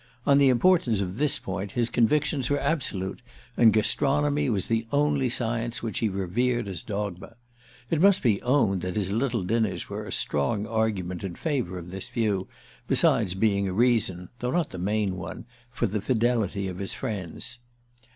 On the importance of this point his convictions were absolute, and gastronomy was the only science which he revered as dogma. It must be owned that his little dinners were a strong argument in favour of this view, besides being a reason though not the main one for the fidelity of his friends.